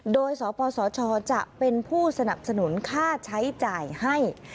โดยสปสชจะเป็นผู้สนับสนุนค่าใช้จ่ายให้